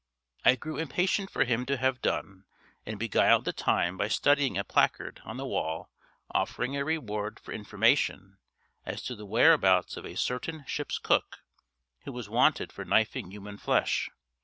I grew impatient for him to have done, and beguiled the time by studying a placard on the wall offering a reward for information as to the whereabouts of a certain ship's cook who was wanted for knifing human flesh.